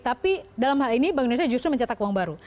tapi dalam hal ini bank indonesia justru mencetak uang baru